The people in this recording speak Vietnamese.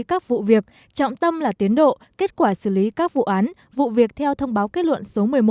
các vụ việc trọng tâm là tiến độ kết quả xử lý các vụ án vụ việc theo thông báo kết luận số một mươi một